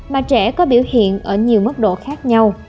mà trẻ có biểu hiện ở nhiều mức độ khác nhau